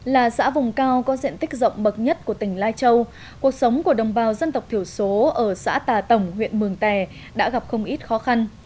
là xã vùng cao có diện tích rộng bậc nhất của tỉnh lai châu cuộc sống của đồng bào dân tộc thiểu số ở xã tà tổng huyện mường tè đã gặp không ít khó khăn